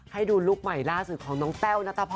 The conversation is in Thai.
ให้ดูลุคใหม่ล่าสุดของน้องแต้วนัทพร